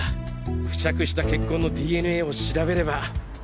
付着した血痕のＤＮＡを調べれば。